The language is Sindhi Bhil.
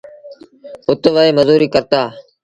اُت وهي مزوريٚ ڪرتآ۔